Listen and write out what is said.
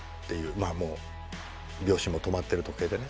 まあもう秒針も止まってる時計でね。